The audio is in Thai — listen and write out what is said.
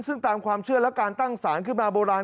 ซึ่งตามความเชื่อและการตั้งสารขึ้นมาโบราณ